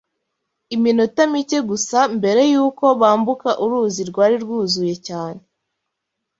Iminota mike gusa mbere y’uko bambuka uruzi rwari rwuzuye cyane